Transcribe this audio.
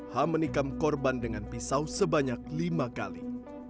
h menikam korban dengan pisau sebanyak lima kali